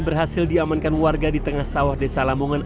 berhasil diamankan warga di tengah sawah desa lamongan